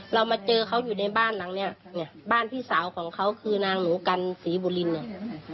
เรามาเจอเขาอยู่ในบ้านหลังเนี้ยเนี้ยบ้านพี่สาวของเขาคือนางหนูกันศรีบุรินเนี่ย